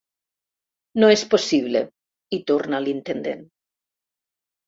No és possible —hi torna l'intendent—.